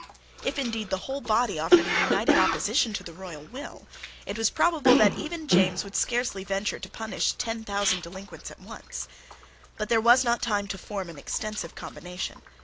If, indeed, the whole body offered an united opposition to the royal will, it was probable that even James would scarcely venture to punish ten thousand delinquents at once. But there was not time to form an extensive combination.